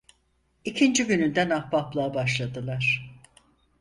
İkinci gününden ahbaplığa başladılar.